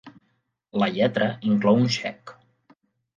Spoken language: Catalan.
La lletra inclou un xec.